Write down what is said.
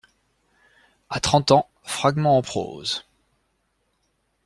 A trente ans, fragment en prose.